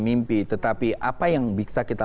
mimpi tetapi apa yang bisa kita